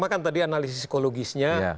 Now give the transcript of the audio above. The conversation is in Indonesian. bahkan tadi analisis psikologisnya